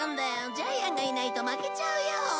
ジャイアンがいないと負けちゃうよ。